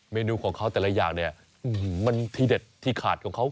เมนูของเขาแต่ละอย่างเนี่ยมันที่เด็ดที่ขาดของเขา